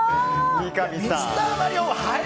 三上さん！